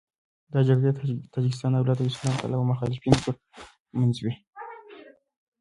دا جګړې د تاجکستان دولت او اسلام پلوه مخالفینو تر منځ وې.